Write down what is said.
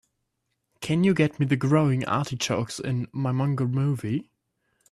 Can you get me the Growing Artichokes in Mimongo movie?